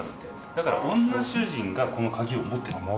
だから女主人がこの鍵を持ってたんです。